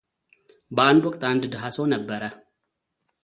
በአንድ ወቅት አንድ ድሃ ሰው ነበረ፡፡